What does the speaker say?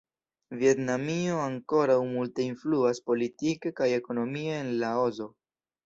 Vjetnamio ankoraŭ multe influas politike kaj ekonomie en Laoso.